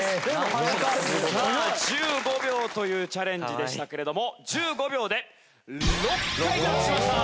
さあ１５秒というチャレンジでしたけれども１５秒で６回タッチしました。